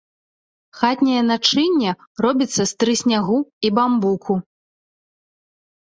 Хатняе начынне робіцца з трыснягу і бамбуку.